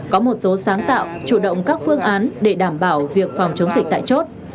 có một số sáng tạo chủ động các phương án để đảm bảo việc phòng chống dịch tại chốt